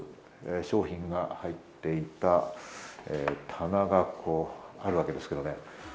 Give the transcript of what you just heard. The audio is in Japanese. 商品が入っていた棚がこうあるわけですけどね。